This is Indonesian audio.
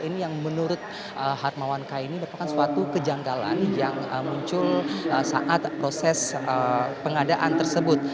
ini yang menurut harmawan kaini merupakan suatu kejanggalan yang muncul saat proses pengadaan tersebut